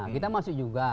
kita masuk juga